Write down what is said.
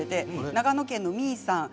長野県の方です。